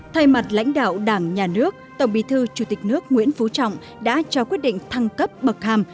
thay mặt lãnh đạo đảng nhà nước tổng bí thư chủ tịch nước nguyễn phú trọng đã trao quyết định thăng cấp bậc hàm